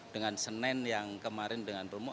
dengan senin yang kemarin dengan rumah